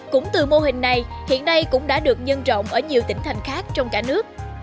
cũng từ mô hình này hiện nay cũng đã được nhân rộng ở nhiều tỉnh thành khác trong cả nước